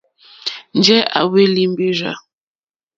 Njɛ̂ à hwélí mbèrzà.